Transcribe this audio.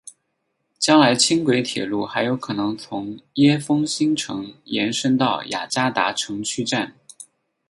将来轻轨铁路还有可能从椰风新城延伸到雅加达城区站。